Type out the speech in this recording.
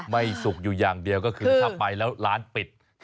สุกอยู่อย่างเดียวก็คือถ้าไปแล้วร้านปิด